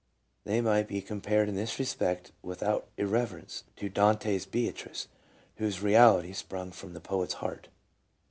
They might be compared in this respect, with out irreverence, to Dante's Beatrice, whose reality sprung from the poet's heart.